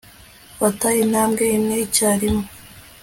fata intambwe imwe icyarimwe